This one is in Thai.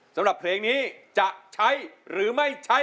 สำหรับเพลงนี้จะใช้หรือไม่ใช้